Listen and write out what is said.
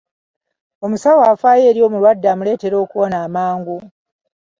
Omusawo afaayo eri omulwadde amuleetera okuwona amangu.